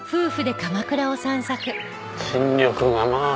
新緑がまあ。